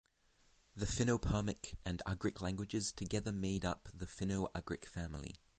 The Finno-Permic and Ugric languages together made up the Finno-Ugric family.